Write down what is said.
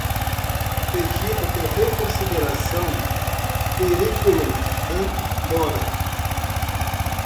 pedido de reconsideração, periculum in mora